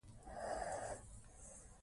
انګریزان حلال سوي دي.